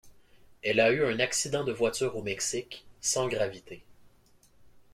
Elle a eu un accident de voiture au Mexique, sans gravité.